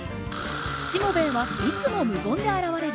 しもべえはいつも無言で現れる。